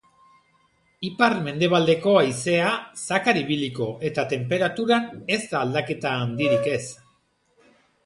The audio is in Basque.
Ipar-mendebaldeko haizea zakar ibiliko eta tenperaturan ez da aldaketa handirik ez.